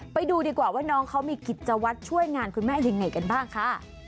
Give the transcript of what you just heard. ไปดูดีกว่าว่าน้องเขามีกิจวัตรช่วยงานคุณแม่ยังไงกันบ้างค่ะ